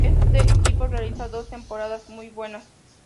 En este equipo realiza dos temporadas muy buenas.